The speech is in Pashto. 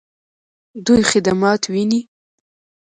دوی خدمات ویني؟